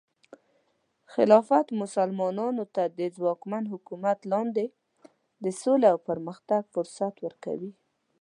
خلافت مسلمانانو ته د ځواکمن حکومت لاندې د سولې او پرمختګ فرصت ورکوي.